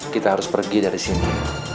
kita harus pergi dari sini